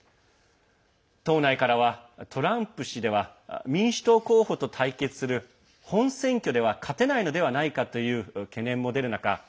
党内からは、トランプ氏では民主党候補と対決する本選挙では勝てないのではないかという懸念も出る中